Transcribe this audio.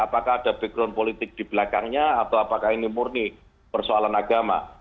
apakah ada background politik di belakangnya atau apakah ini murni persoalan agama